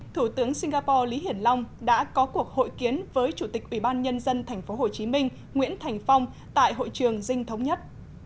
thủ tướng singapore lý hiển long đã có cuộc hội kiến với chủ tịch ủy ban nhân dân tp hcm nguyễn thành phong tại hội trường dinh thống nhất